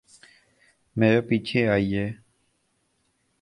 میرے پیچھے آییے